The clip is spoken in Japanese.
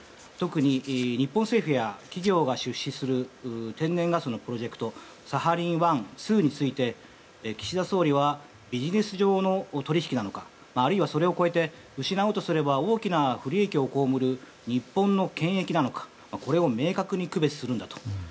特に日本政府や企業が出資する天然ガスのプロジェクトサハリン１、２について岸田総理はビジネス上の取引なのかあるいはそれを超えて失おうとすれば大きな不利益を被る日本の権益なのかを明確に区別するんだと。